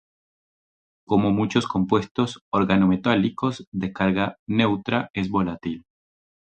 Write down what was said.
Como muchos compuestos organometálicos de carga neutra es volátil.